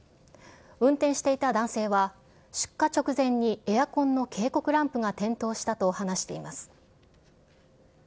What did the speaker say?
運転していた男性は、出火直前にエアコンの警告ランプが点灯したと話しています。